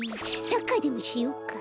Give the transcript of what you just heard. サッカーでもしようか？